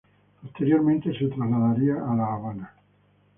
Posteriormente se trasladaría a La Habana.